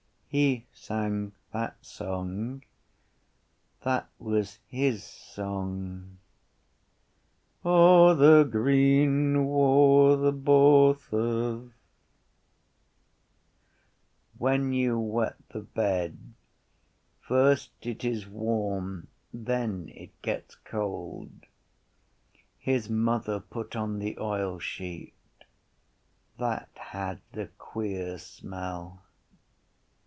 He sang that song. That was his song. O, the green wothe botheth. When you wet the bed, first it is warm then it gets cold. His mother put on the oilsheet. That had the queer smell.